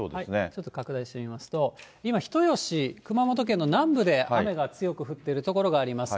ちょっと拡大してみますと、今、人吉、熊本県の南部で雨が強く降っている所があります。